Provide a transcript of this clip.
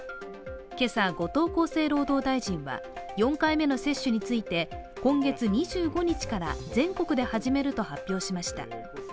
今朝、後藤厚労大臣は４回目の接種について今月２５日から全国で始めると発表しました。